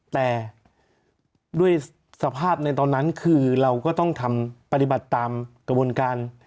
แต่ด้วยสภาพในตอนนั้นคือเราก็ต้องทำปฏิบัติตามกระบวนการ